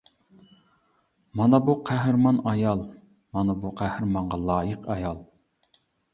مانا بۇ قەھرىمان ئايال، مانا بۇ قەھرىمانغا لايىق ئايال.